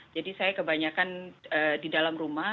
jadi saya kebanyakan di dalam rumah